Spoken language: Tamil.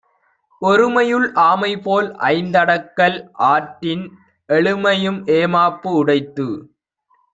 ஒருமையுள் ஆமைபோல் ஐந்தடக்கல் ஆற்றின் எழுமையும் ஏமாப்பு உடைத்து.